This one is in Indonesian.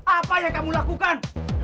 apa yang kamu lakukan